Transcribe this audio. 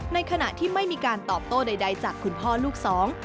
ในขณะที่ไม่มีการตอบโต้ใดจากคุณพ่อลูกสอง